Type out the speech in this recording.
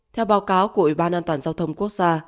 theo báo cáo của ủy ban an toàn giao thông quốc gia